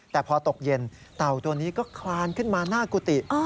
แต่พอตกเย็นเต่าตัวนี้ก็คลานขึ้นมาหน้ากุฏิ